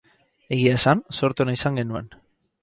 Egia esan, zorte ona izan genuen.